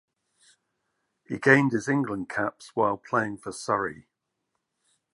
He gained his England caps while playing for Surrey.